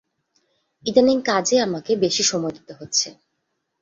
ইদানিং কাজে আমাকে বেশী সময় দিতে হচ্ছে।